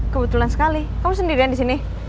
kebetulan sekali kamu sendirian disini